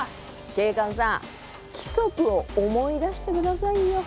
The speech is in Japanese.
警官さん規則を思い出して下さいよ。